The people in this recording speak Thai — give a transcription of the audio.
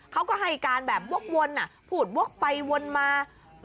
เขาก็ให้การแบบวกวนพูดวกไปวนมา